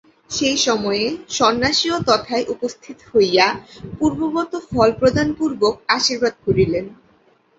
সেই সময়ে সন্ন্যাসীও তথায় উপস্থিত হইয়া পূর্ববৎ ফল প্রদানপূর্বক আশীর্বাদ করিলেন।